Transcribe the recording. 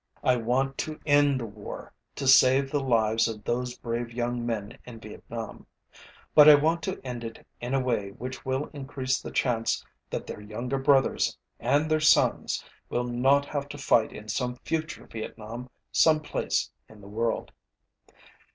I want to end the war to save the lives of those brave young men in Vietnam. But I want to end it in a way which will increase the chance that their younger brothers and their sons will not have to fight in some future Vietnam some place in the world.